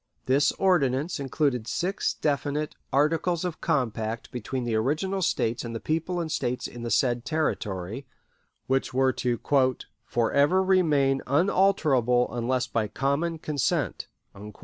This Ordinance included six definite "Articles of compact between the original States and the people and States in the said Territory," which were to "for ever remain unalterable unless by common consent."